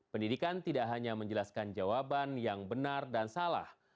pendidikan tidak hanya menjelaskan jawaban yang benar dan salah